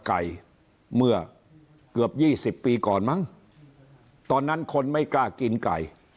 ไก่เมื่อเกือบยี่สิบปีก่อนมั้งตอนนั้นคนไม่กล้ากินไก่